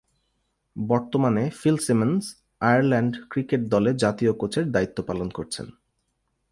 বর্তমানে Phil Simmons Ireland cricket দলে কোচের দায়িত্ব পালন করছেন।